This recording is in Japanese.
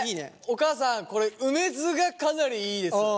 お母さんこれ梅酢がかなりいいですよ。